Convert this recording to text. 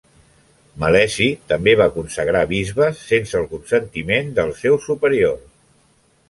Meleci també va consagrar bisbes sense el consentiment del seu superior.